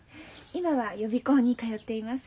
今は予備校に通っています。